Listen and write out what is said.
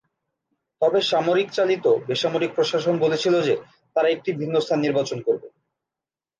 তবে সামরিক-চালিত বেসামরিক প্রশাসন বলেছিল যে, তারা একটি ভিন্ন স্থান নির্বাচন করবে।